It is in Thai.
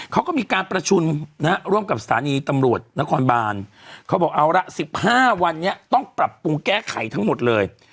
เขาก็มีการประชุมร่วมกับสถานีตำรวจนครบานเขาบอกเอาละ๑๕วันนี้ต้องปรับปรุงแก้ไขทั้งหมดเลย